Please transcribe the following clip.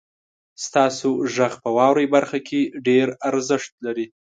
ستاسو غږ په واورئ برخه کې ډیر ارزښت لري.